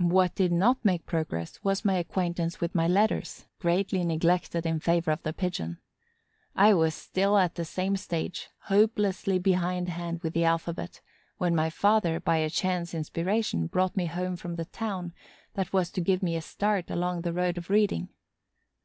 What did not make progress was my acquaintance with my letters, greatly neglected in favor of the Pigeon. I was still at the same stage, hopelessly behindhand with the alphabet, when my father, by a chance inspiration, brought me home from the town what was to give me a start along the road of reading.